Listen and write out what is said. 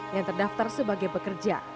yang terdaftar sebagai pekerja